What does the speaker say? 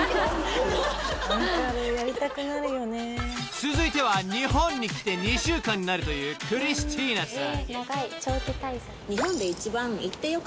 ［続いては日本に来て２週間になるというクリスティーナさん］